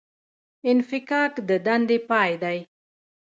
انفکاک د دندې پای دی